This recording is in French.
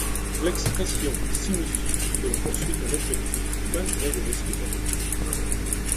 L'expression signifie que l'on poursuit un objectif malgré les risques encourus.